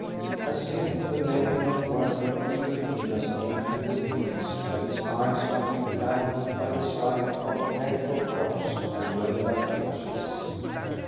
As yet the men did not work with eager industry in the fields that his eyes might be gladdened by the sight of cared for crops and well dug ditches.